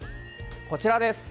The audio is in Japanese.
こちらです。